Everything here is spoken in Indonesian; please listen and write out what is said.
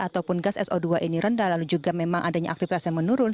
ataupun gas so dua ini rendah lalu juga memang adanya aktivitas yang menurun